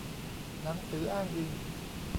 หนังสืออ้างอิง